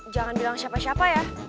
jangan bilang siapa siapa ya